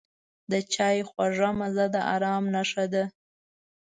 د چای خوږه مزه د آرام نښه ده.